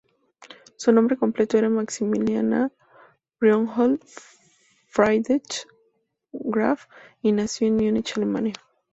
Su nombre completo era Maximilian Reinhold Friedrich Graf, y nació en Múnich, Alemania.